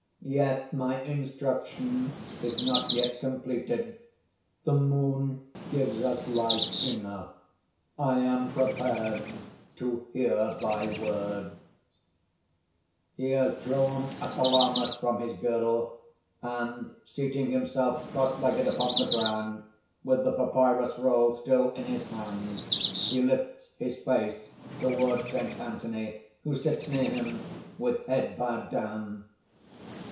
Yet my instruction is not yet completed. The moon gives us light enough. I am prepared to hear thy words." (_He has drawn a calamus from his girdle, and seating himself cross legged upon the ground, with the papyrus roll still in his hand, he lifts his face toward Saint Anthony, who sits near him, with head bowed down.